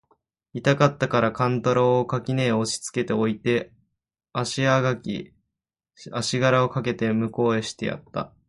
痛かつたから勘太郎を垣根へ押しつけて置いて、足搦あしがらをかけて向へ斃してやつた。